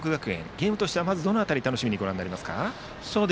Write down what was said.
ゲームとしてはどの辺りを楽しみにご覧になりますか？